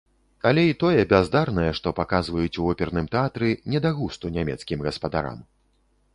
Але і тое бяздарнае, што паказваюць у оперным тэатры, не да густу нямецкім гаспадарам.